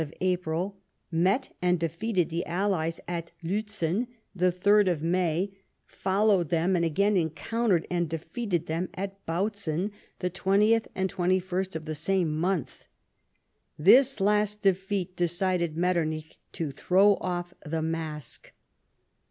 97 26th April; met and defeated the allies at Liitzen the 3r(l May ; followed them, and again encountered and defeated them at Bautzen the 20th and 21st of the same month. This last defeat decided Metternich to throw off the mask.